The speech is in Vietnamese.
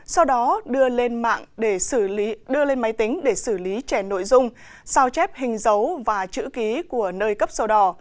sau đó đưa lên máy tính để xử lý trẻ nội dung sao chép hình dấu và chữ ký của nơi cấp sổ đỏ